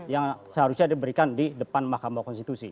yang seharusnya diberikan di depan mahkamah konstitusi